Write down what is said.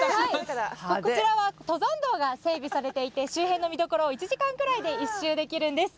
こちらは登山道が整備されていて周辺の見どころを１時間ぐらいで１周できるんです。